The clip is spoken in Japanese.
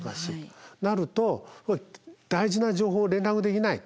なると大事な情報を連絡できない。